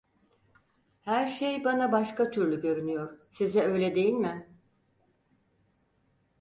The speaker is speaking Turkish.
Her şey bana başka türlü görünüyor; size öyle değil mi?